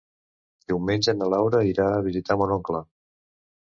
Diumenge na Laura irà a visitar mon oncle.